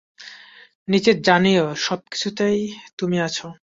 নিশ্চিত জানিও, সবকিছুতেই তুমি আছ।